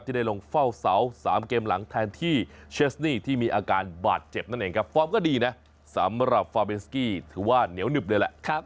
ได้ลงเฝ้าเสา๓เกมหลังแทนที่เชสนี่ที่มีอาการบาดเจ็บนั่นเองครับฟอร์มก็ดีนะสำหรับฟาเบนสกี้ถือว่าเหนียวหนึบเลยแหละ